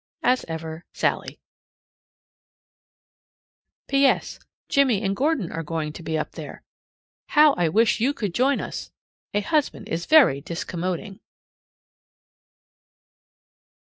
As ever, SALLIE. P.S. Jimmie and Gordon are both going to be up there. How I wish you could join us! A husband is very discommoding.